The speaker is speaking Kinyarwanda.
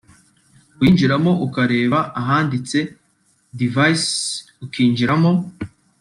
uyinjiramo ukareba ahanditse ’Devices’ ukinjiramo